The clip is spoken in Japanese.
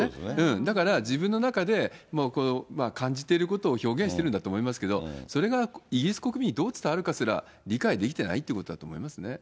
だから自分の中で、もう感じてることを表現してるんだと思うんですけど、それがイギリス国民にどう伝わるかすら、理解できてないということだと思いますね。